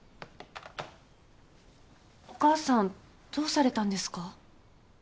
お母さんどうされたんですか？